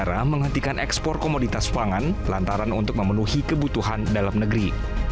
pemerintah menghentikan ekspor komoditas pangan lantaran untuk memenuhi kebutuhan dalam negeri